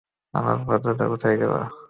আমার ভদ্রতা কোথায় গেল?